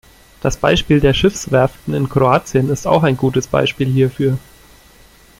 Das Beispiel der Schiffswerften in Kroatien ist auch ein gutes Beispiel hierfür.